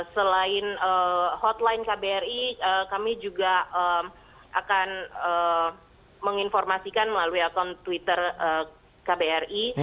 selain hotline kbri kami juga akan menginformasikan melalui akun twitter kbri